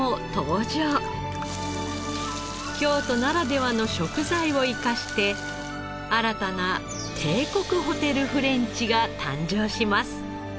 京都ならではの食材を生かして新たな帝国ホテルフレンチが誕生します。